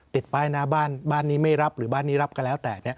ติดป้ายหน้าบ้านบ้านนี้ไม่รับหรือบ้านนี้รับก็แล้วแต่